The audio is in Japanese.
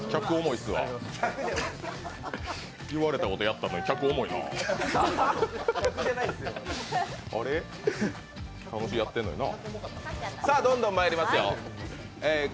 言われたことやったのに客、重いな楽しくやってるのにな。